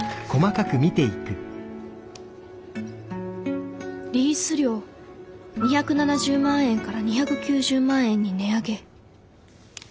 心の声リース料２７０万円から２９０万円に値上げ。